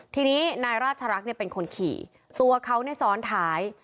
ทีนี้นายราชรักษ์เป็นคนขี่ตัวเขาเนี่ยซ้อนท้าย